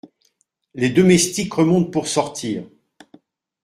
Les domestiques remontent pour sortir.